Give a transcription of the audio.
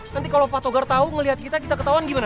nanti kalau pak togar tau ngeliat kita kita ketauan gimana